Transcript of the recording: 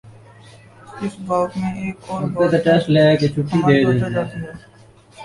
اس باب میں ایک اور بات بھی ہماری توجہ چاہتی ہے۔